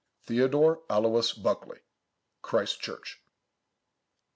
THEODORE ALOIS BUCKLEY. Christ Church.